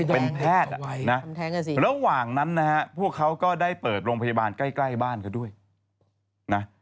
เป็นแพทย์ระหว่างนั้นนะฮะพวกเขาก็ได้เปิดโรงพยาบาลใกล้บ้านเขาด้วยนะ